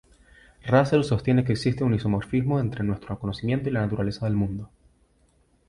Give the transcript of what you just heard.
Russell sostiene que existe un isomorfismo entre nuestro conocimiento y la naturaleza del mundo.